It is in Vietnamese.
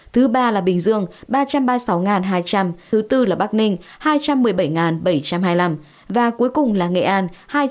thứ ba là bình dương ba trăm ba mươi sáu hai trăm linh thứ tư là bắc ninh hai trăm một mươi bảy bảy trăm hai mươi năm và cuối cùng là nghệ an hai trăm linh năm chín trăm hai mươi chín